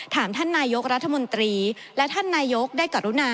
ท่านนายกรัฐมนตรีและท่านนายกได้กรุณา